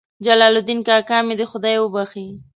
جلال الدین کاکا مې دې خدای وبخښي.